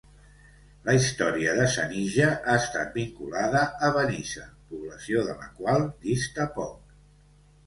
La història de Senija ha estat vinculada a Benissa, població de la qual dista poc.